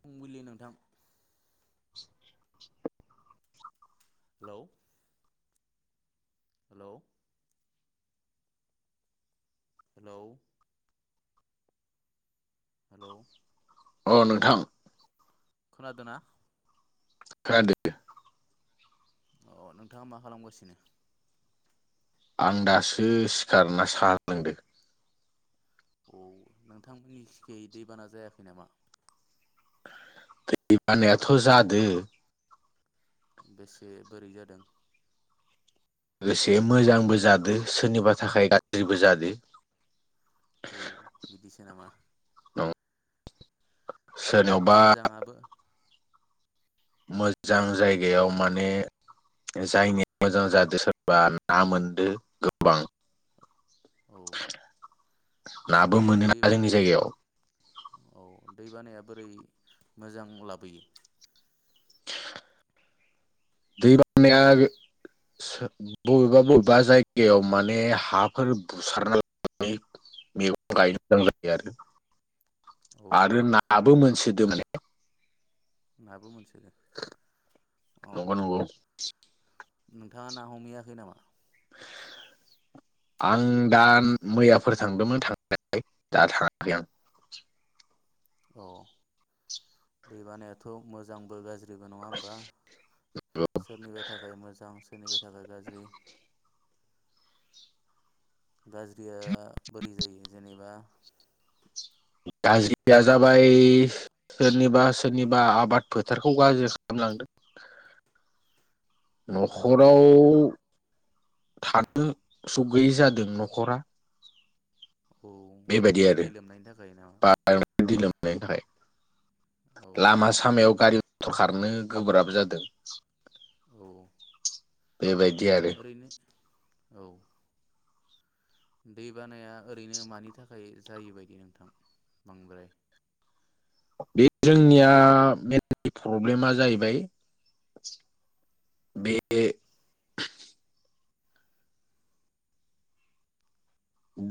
फुंबिलि नोंथां [unintelligible] hello. Hello. Hello hello. अ नोंथां खोनादोना खोनादो अ नोंथाङा मा खालामगासिनो? आं दासो सिखारना साहा लोंदों औ नोंथांमोननि थिंजाय दैबाना जायाखै नामा दै बानायाथ जादो बेसे बोरै जादों। लोगोसे मोजांबो जादो सोरनिबा थाखाय गाज्रिबो जादो औ बिदिसो नामा? सोरनियावबा मोजाङाबो मोजां जायगायाव माने जायनि मोजां जादो सोरबा ना मोनदो गोबां औ [unintelligible] [unintelligible] नाबो मोनो दै ना जोंनि बानाया जायगायाव औ दै बानाया बोरै मोजां लाबोयो? [unintelligible] दै बाननाया बबेबा बबेबा जायगायाव माने हाफोर बुसारनानै मैगं गायनो मोजां जायो आरो औ आरो नाबो मोन सोदो [inaudible] माने नाबो मोनसो नंगौ-नंगौ नोंथाङा ना हमैयाखै नामा आं दा मैयाफोर थांदोंमोन थांनाया दा थाङाखै आं। अ दैबानायाथ' मोजांबो गाज्रि बो नङा होमबा सोरनिबा थाखाय मोजां सोरनिबा थाखाय गाज्रि गाज्रिया बोरै जायो जेनेबा? गाज्रिया जाबाय सोरनिबा सोरनिबा आबाद फोथारखौ गाज्रि खालामलांदों। औ न'खराव थानो सुग गैयै जादों न'खरा। औ बेबायदि बांद्राय आरो दै लोमनायनि थाखाय नामा? बांद्राय दै लोमनायनि थाखाय औ लामा सामायाव गारि मथर खारनो गोब्राब जादों। औ बेबायायदि आरो। ओरैनो औ दै बानाया ओरैनो मानि थाखाय जायो बायदि नोंथां बांद्राय बे जोंनिया मेन प्रब्लेमा जाहैबाय बे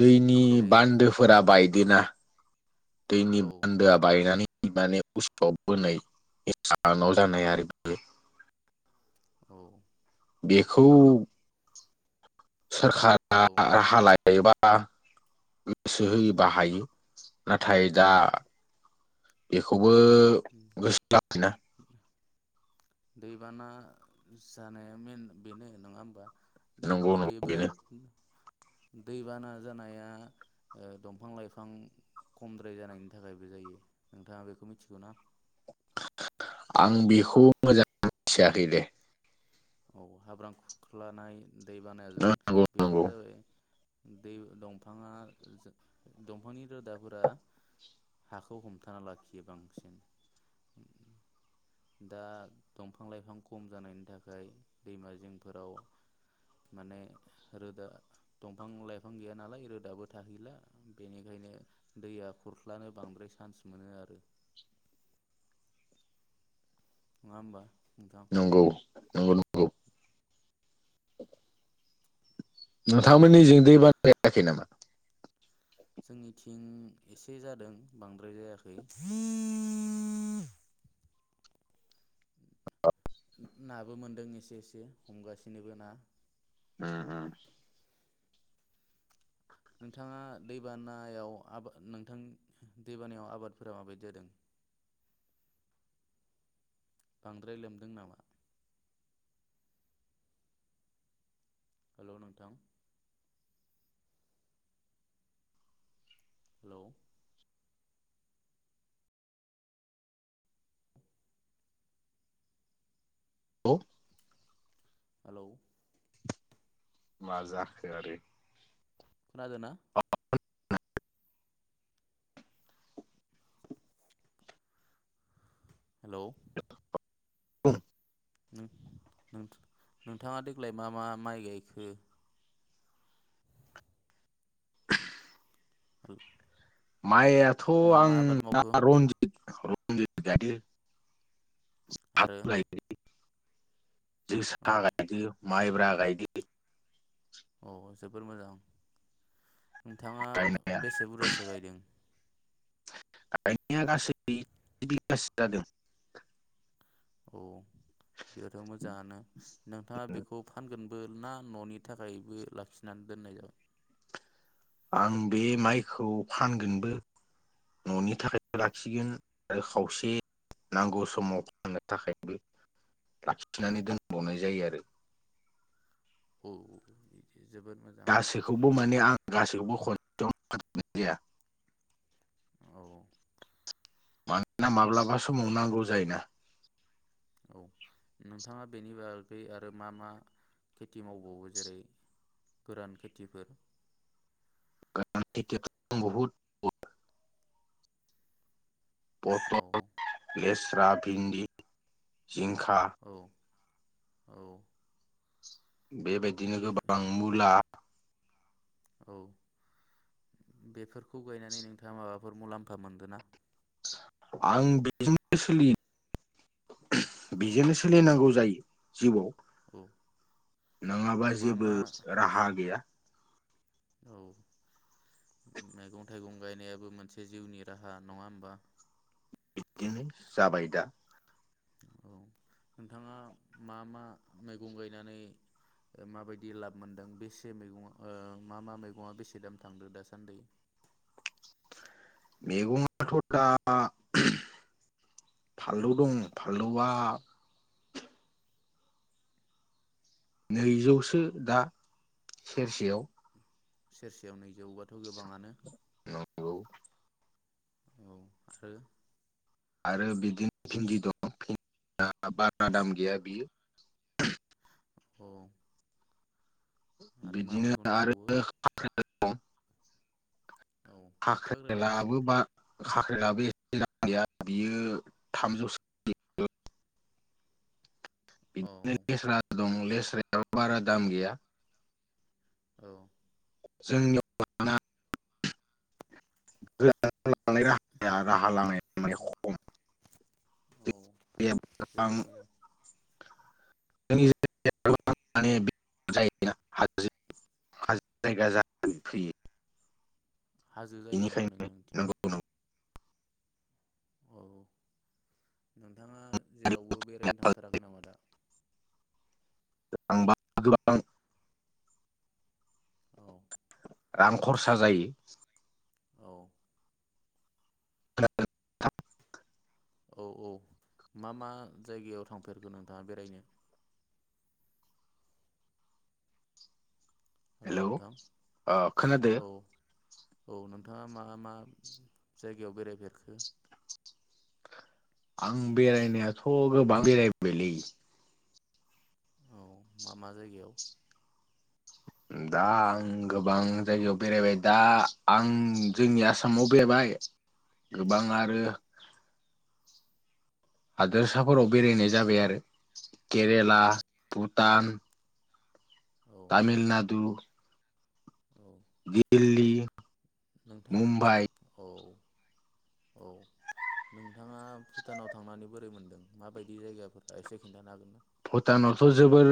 दैनि जेरै बान्दोफोरा बाय दिना दैनि औ बान्दोआ बायनानै [unintelligible] औ। बेखौ सोरखारा औ राहा लायोबा आ गोसो होयोबा हायो नाथाय दा बेखौबो र' गोसो लाखिना दैबाना जानाया मेन बेनो नङा होमबा। नंगौ नंगौ बेबो बेनो। दैबाना जानाया ओ दंफां लाइफां खमद्राय जानायनि थाखायबो जायो नोंथाङा बे मिथिगौ ना? आं बेखौ मोजां मिथियाखै दे। औ हाब्रां खुरख्लानाय दै बानायाजों नंगौ नंगौ बेफोरो जाबाय दै दंफाङा दंफांनि रोदाफोरा हाखौ हमथाना लाखियो बांसिन दा दंफां लाइफां खम जानायनि थाखाय दैमा जिंफोराव माने रोदा दंफां लाइफां गैया नालाय रोदाबो थाहैला बेनिखायनो दैया खुरख्लानो बांद्राय चान्स मोनो आरो। नङा होमबा नोंथां? नंगौ नंगौ नंगौ नोंथांमोननि जों दै बाना जायाखै नामा? जोंनिथिं एसे जादों बांद्राय जायाखै। नाबो मोनदों एसे एसे हमगासिनोबो ना। [unintelligible] नोंथाङा दैबानायाव नोंथां दैबानायाव आबादफोरा माबायदि जादों? बांद्राय लोमदों नामा? हेलौ नोंथां। हेलौ औ। हेलौ मा जाखो आरो खोनादोंना? [inaudible] हेलौ। [inaudible] नों नोंथां नोंथाङा देग्लाय मा मा माइ गायखो? [inaudible] माइआथ' मा मा आबाद आंना मावखो रन्जित। रन्जित गायो। आरो औ जोसा गायो, माइब्रा गायो। औ जोबोर मोजां। नोंथाङा गायनाया बेसे बुरजासो गायदों? गायनाया गासै ब्रै बिगासो जादों। औ बिदिबाथ' मोजांङानो नोंथांङा बेखौ फानगोन ना न'नि थाखायबो लाखिनि दोननाय जागोन। आं बे माइखौ फानगोनबो न'नि थाखायबो लाखिगोन आरो खावसे नांगौ समाव फाननो थाखायबो लाखिनानै दोनबावनाय जायो आरो। औ औ। गासैखौबो माने आं गासैखौबो [inaudible] औ मानोना माब्लाबा समाव नांगौ जायोना। औ नोंथाङा बेनि बागै आरो मा मा खेथि मावबावो जेरै- गोरान खेथिफोर? [unintelligible] औ फथल, लेस स्रा भिन्दि जिंखा। औ औ। बेबायदिनो बे गोबां मुला, औ बेफोरखौ गायनानै नोंथाङा माबाफोर मुलाम्फा मोनदोंना? आं बेजोंनो सोलियो। बेजोंनो औ सोलिनांगौ जायो जिउआव औ नङाबा मा जेबो मा राहा गैया। औ मैगं थाइगं गायनायाबो मोनसे जिउनि राहा नङा होमबा? बिदिनो जाबाय दा। औ नोंथाङा मा मा मैगं गायनानै माबायदि लाब मोनदों बेसे मैगं ओ मा मा मैगंआ बेसे दाम थांदो दासान्दि? मेगं आथ' दा फानलौ दं फानलौआ नैजौसो दा सेरसेयाव सेरसेयाव नै जौबाथ' गोबाङानो औ औ आरो आरो बिदि भिन्दि दं भिन्दिया बारा दाम गैया बियो अ। बिदिनो आरो दंबावो [unintelligible] [inaudible] औ हाख्रि काग्रेला बेसे लाबो बा खाख्रिलाबो [inaudible] गैया बियो थामजौसो [inaudible] औ [unintelligible] दं लेस्रायाबो बारा दाम गैया। औ जोंनि [unintelligible] [inaudible] राहा लामानाया माने खम औ जोबोर मोजां [unintelligible] [unintelligible] हाजो जायो नामा बेनिखायनो नोंथांनिथिं नंगौ औ नोंथाङा जेरावबो बेरायनो थांबा थांथाराखै नामा दा आंबा गोबां औ रां खरसा जायो औ [unintelligible] औ औ मा मा जायगायाव थांफेरखो नोंथाङा बेरायनो? हेल' हेलौ नोंथां ओ खोनादो? औ औ नोंथाङा मा मा जायगायाव बेरायफेरखो? आं बेरायनायाथ गोबां बेरायबोबायलै। औ मा मा जायगायाव दा आं गोबां जायगायाव बेरायबाय दा आं जोंनि आसामाव बेरायबाय। गोबां औ आरो हादोरसाफोराव बेरायनाय जाबाय आरो। केरेला, औ भुटान। औ तामिलनाडु औ दिल्ली नोंथां मुम्बाइ औ। औ नोंथाङा भुटानाव थांनानै बोरै मोनदों माबायदि जायगाफोरा एसे खिन्थानो हागोन ना? भुटानावथ' जोबोर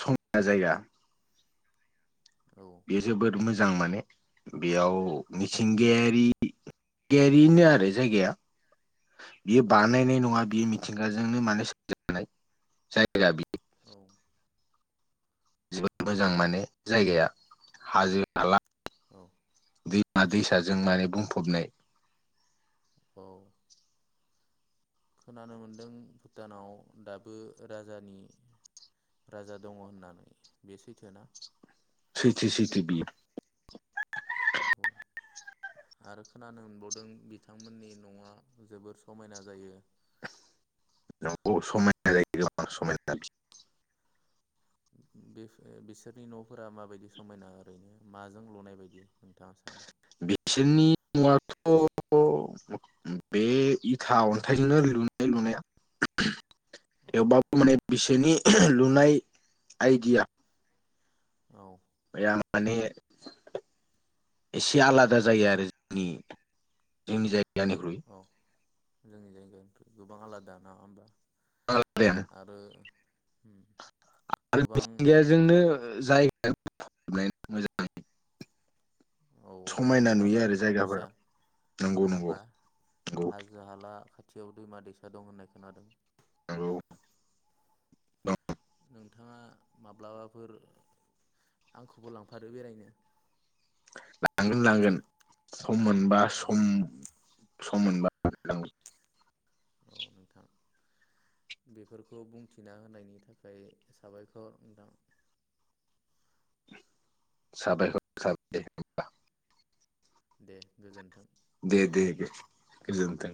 समायना जायगा। औ बे जोबोर मो जों माने बेयाव औ मिथिंगायारि [unintelligible] आरो जायगाया। बियो औ बानायनाय नङा बियो मिथ मिथिंगाजोंनो माने [unintelligible] जाय [unintelligible] औ जोबोद मोजां माने जायगाया हाजो-हाला औ दैमा दैसाजों औ माने बुंफबनाय औ। खोनानो मोनदों भुटानाव दाबो राजानि राजा दङ' होननानै बे सैथो ना? सैथो सैथो बियो। औ आरो खोनानो मोनबावदों बिथांमोननि न'आ जोबोर समायना जायो। नंगौ समायना जायो [unintelligible] बिफो बिसोरनि न'फोरा माबायदि समायना ओरैनो माजों लुनाय बायदि? नोंथाङा सानो? बिसोरनि [unintelligible] [unintelligible] बे इथा अन्थाइजोंनो लुनाय लुनाया औ याव बो माने बिसनि लुनाय आइडिया औ। माने एसे आलादा जायो आरो जोंनि जोंनि जायग निख्रुइ औ जोंनि जायगानिफ्राय गोबां आलादा नङा होमबा? आरो। होम [unintelligible] मिथिंगायाजोंनो जाय [unintelligible] औ समायना हाजो नुयो हाला आरो दैमा जायगाफोरा दैसा नंगौ नङा नंगौ होमबा नंगौ हाजो हाला खाथि? खाथियाव दैमा दैसा दं होननाय खोनादों। हेलौ नोंथाङा माब्लाबाफोर आंखौबो लांफादो बेरायनो लांगोन लांगोन सम मोनबा औ सम सम मोनबा लांगोन। औ नोंथां बेफोरखौ बुंथिना होनायनि थाखाय साबायखर नोंथां। साबायखर थाबाय होनबा। दे गोजोन्थों। दे दे दे गोजोनथों।